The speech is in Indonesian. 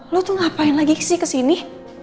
lo tuh ngapain lagi sih kesini